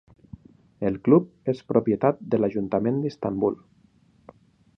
El club és propietat de l'ajuntament d'Istanbul.